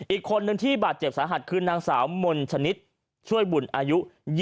อีกคนนึงที่บาดเจ็บสาหัสคือนางสาวมนชนิดช่วยบุญอายุ